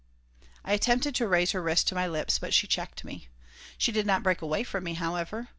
I attempted to raise her wrist to my lips, but she checked me. She did not break away from me, however.